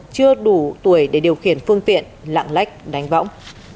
chưa đủ tuổi để điều khiển phương tiện lạng lách đánh võng